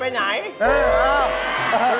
แต่เองว่าจะไปไหน